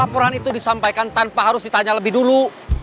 laporan itu disampaikan tanpa harus ditanya lebih dulu